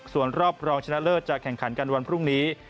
ส่วนรอบรองชนะเลิศจะแข่งขันกันวันพรุ่งนี้